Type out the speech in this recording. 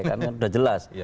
karena sudah jelas